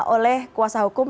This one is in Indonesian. oleh kuasa hukum